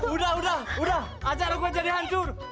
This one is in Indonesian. udah udah udah acara gue jadi hancur